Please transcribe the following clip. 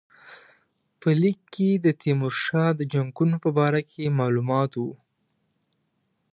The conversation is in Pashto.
په لیک کې د تیمورشاه د جنګونو په باره کې معلومات وو.